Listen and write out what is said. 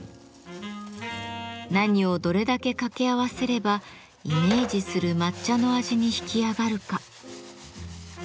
何をどれだけ掛け合わせればイメージする抹茶の味に引き上がるか。